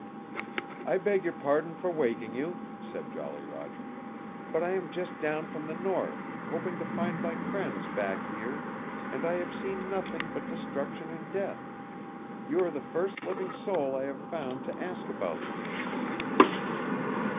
"I beg your pardon for waking you," said Jolly Roger, "but I am just down from the north, hoping to find my friends back here and I have seen nothing but destruction and death. You are the first living soul I have found to ask about them."